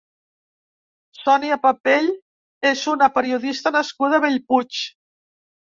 Sònia Papell és una periodista nascuda a Bellpuig.